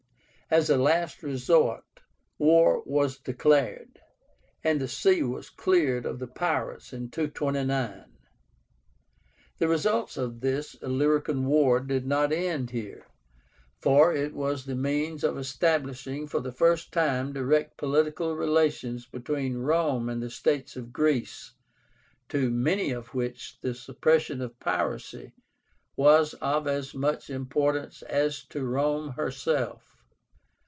As a last resort, war was declared, and the sea was cleared of the pirates in 229. "The results of this Illyrican war did not end here, for it was the means of establishing, for the first time, direct political relations between Rome and the states of Greece, to many of which the suppression of piracy was of as much importance as to Rome herself.